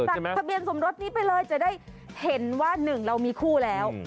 ทะเบียนสมรสนี้ไปเลยจะได้เห็นว่าหนึ่งเรามีคู่แล้ว